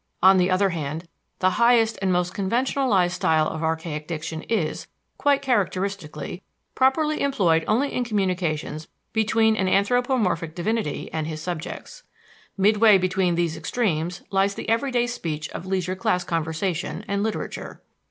On the other hand, the highest and most conventionalized style of archaic diction is quite characteristically properly employed only in communications between an anthropomorphic divinity and his subjects. Midway between these extremes lies the everyday speech of leisure class conversation and literature.